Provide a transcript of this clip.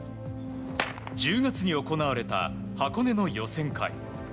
１０月に行われた箱根の予選会。